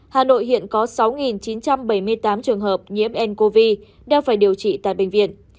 hà nội hiện có sáu chín trăm bảy mươi tám trường hợp nhiễm ncov đang phải điều trị tại bệnh viện